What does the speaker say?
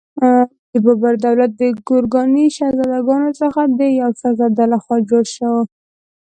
د بابر دولت د ګورکاني شهزادګانو څخه د یوه شهزاده لخوا جوړ شو.